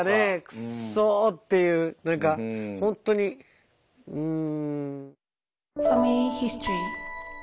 くそっていう何かほんとにうん。